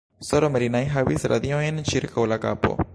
S-ro Merinai havis radiojn ĉirkaŭ la kapo.